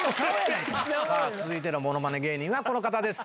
続いてのものまね芸人はこの方です。